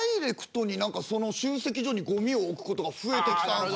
集積所にごみを置くことが増えてきたんが。